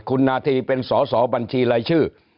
คุณนาธีเป็นสอสอบัญชีรายชื่อ